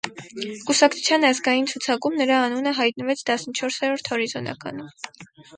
Կուսակցության ազգային ցուցակում նրա անունը հայտնվեց տասնչորսերորդ հորիզոնականում։